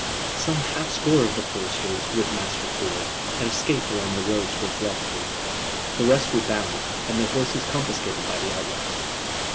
Some half score of the foresters, with Master Ford, had escaped along the road towards Locksley: the rest were bound, and their horses confiscated by the outlaws.